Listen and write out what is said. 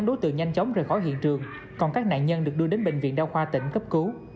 đối tượng nhanh chóng rời khỏi hiện trường còn các nạn nhân được đưa đến bệnh viện đa khoa tỉnh cấp cứu